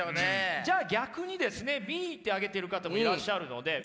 じゃあ逆にですねＢって上げてる方もいらっしゃるので。